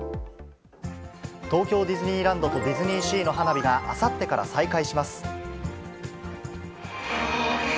東京ディズニーランドと、ディズニーシーの花火があさってから再開します。